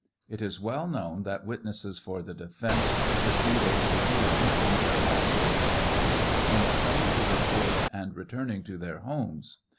It is well known that witnesses for the defence receive a per diem and their actual expenses in coming to the court and returning to their homes.